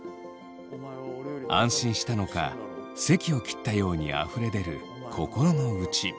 安心したのかせきを切ったようにあふれ出る心の内。